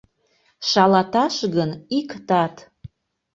Шалаташ гын, ик тат.